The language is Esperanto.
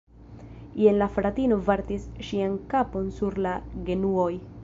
Jen la fratino vartis ŝian kapon sur la genuoj.